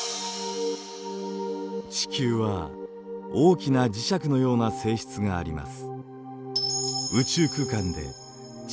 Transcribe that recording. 地球は大きな磁石のような性質があります。